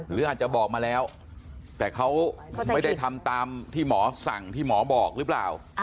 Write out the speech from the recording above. หรืออาจจะบอกมาแล้วแต่เขาไม่ได้ทำตามที่หมอสั่งที่หมอบอกหรือเปล่า